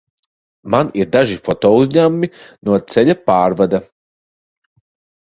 Man ir daži fotouzņēmumi no ceļa pārvada.